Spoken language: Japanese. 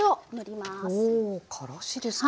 ほおからしですか。